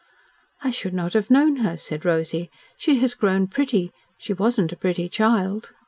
"I should not have known her," said Rosy. "She has grown pretty. She wasn't a pretty child."